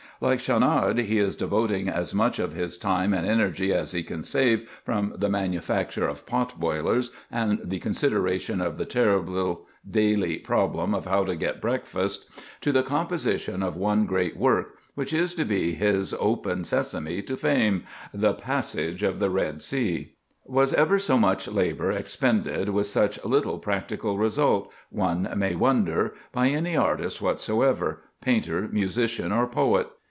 Like Schaunard, he is devoting as much of his time and energy as he can save from the manufacture of pot boilers and the consideration of the "terrible daily problem of how to get breakfast," to the composition of one great work, which is to be his open sesame to fame—"The Passage of the Red Sea." Was ever so much labor expended with such little practical result, one may wonder, by any artist whatsoever—painter, musician, or poet?